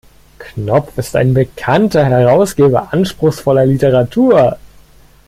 Knopf ist ein bekannter Herausgeber anspruchsvoller Literatur.